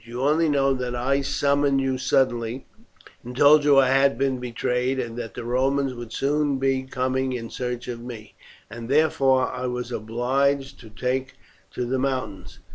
You only know that I summoned you suddenly, and told you I had been betrayed, and that the Romans would soon be coming in search of me, and therefore I was obliged to take to the mountains.